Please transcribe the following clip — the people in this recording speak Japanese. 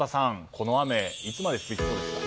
この雨、いつまで続きそうですか。